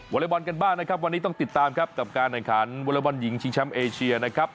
อเล็กบอลกันบ้างนะครับวันนี้ต้องติดตามครับกับการแข่งขันวอลบอลหญิงชิงแชมป์เอเชียนะครับ